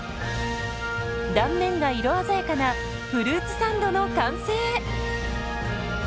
断面が色鮮やかなフルーツサンドの完成。